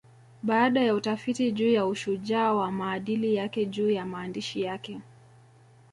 Baada ya utafiti juu ya ushujaa wa maadili yake juu ya maandishi yake